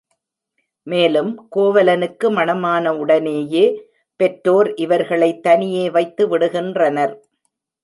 மேலும் கோவலனுக்கு மணமான உடனேயே, பெற்றோர் இவர்களை தனியே வைத்து விடுகின்றனர்.